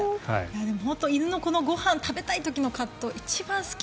本当犬のご飯を食べたい時の葛藤が一番好き。